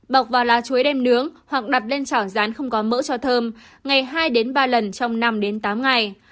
bọc và lá chuối đem nướng hoặc đặt lên chảo rán không có mỡ cho thơm ngày hai ba lần trong năm đến tám ngày